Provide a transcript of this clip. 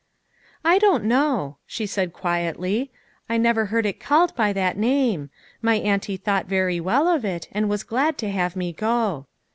"I don't know," she said, quietly, "I never heard it called by that name. My auntie thought very well of it, and was glad to have me go."